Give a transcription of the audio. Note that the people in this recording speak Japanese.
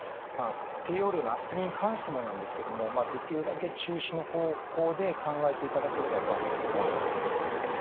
低用量のアスピリンに関してもなんですけどもできるだけ中止の方向で考えていただければとは思います。